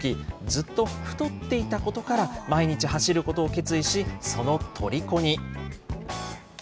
ずっと太っていたことから、毎日走ることを決意し、そのとりこに。